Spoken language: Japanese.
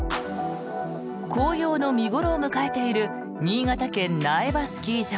紅葉の見頃を迎えている新潟県・苗場スキー場。